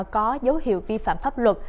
có dấu hiệu vi phạm pháp luật